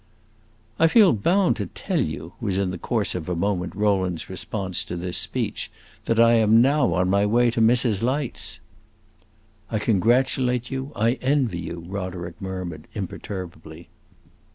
"I feel bound to tell you," was in the course of a moment Rowland's response to this speech, "that I am now on my way to Mrs. Light's." "I congratulate you, I envy you!" Roderick murmured, imperturbably.